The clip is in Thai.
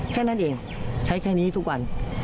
แค่นั้นเองใช้แค่นี้ทุกวัน